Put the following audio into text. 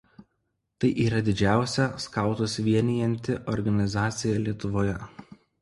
Tai yra didžiausia skautus vienijanti organizacija Lietuvoje.